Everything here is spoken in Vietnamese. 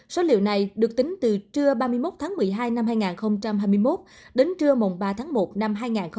số liệu này được tính từ trưa ba mươi một tháng một mươi hai năm hai nghìn hai mươi một đến trưa ba tháng một năm hai nghìn hai mươi ba